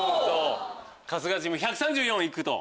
春日チーム１３４いくと。